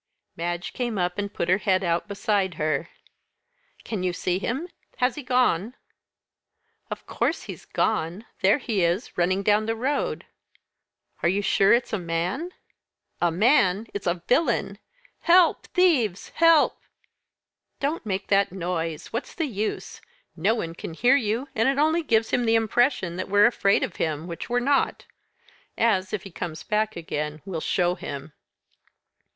Madge came up and put her head out beside her. "Can you see him? Has he gone?" "Of course he's gone there he is, running down the road." "Are you sure it's a man?" "A man! It's a villain! Help! thieves! help!" "Don't make that noise. What's the use? No one can hear you, and it only gives him the impression that we're afraid of him, which we're not; as, if he comes back again, we'll show him.